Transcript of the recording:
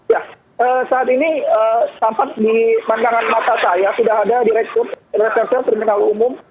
ya saat ini tampak di pandangan mata saya sudah ada direktur reserse terminal umum